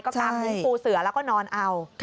ก็กางมุ้งปูเสือแล้วก็นอนเอา